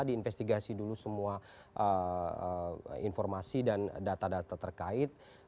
diinvestigasi dulu semua informasi dan data data terkait